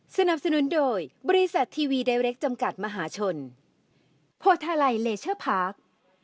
สนับสนุนโดยบริษัททีวีไดเรคจำกัดมหาชนโพทาไลเลเชอร์พาร์ค